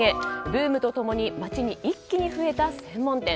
ブームと共に街に一気に増えた専門店。